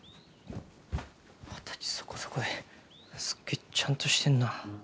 二十歳そこそこですげぇちゃんとしてんな。